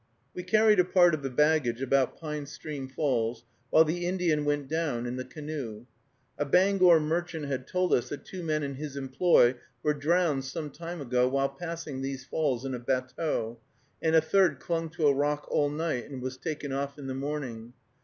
We carried a part of the baggage about Pine Stream Falls, while the Indian went down in the canoe. A Bangor merchant had told us that two men in his employ were drowned some time ago while passing these falls in a batteau, and a third clung to a rock all night, and was taken off in the morning.